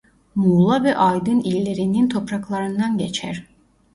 Muğla ve Aydın illerinin topraklarından geçer.